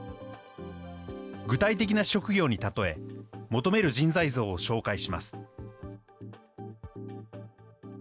具体的な職業に例え、求める人材像を紹介します。